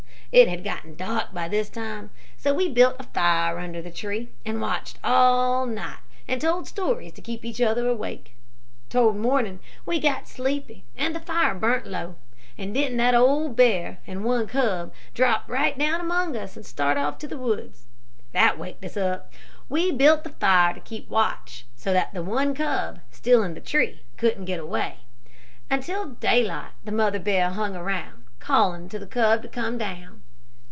It had gotten dark by this time, so we built a fire under the tree, and watched all night, and told stories to keep each other awake. Toward morning we got sleepy, and the fire burnt low, and didn't that old bear and one cub drop right down among us and start off to the woods. That waked us up. We built up the fire and kept watch, so that the one cub, still in the tree, couldn't get away. Until daylight the mother bear hung around, calling to the cub to come down."